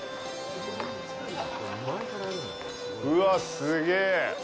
うわあ、すげえ。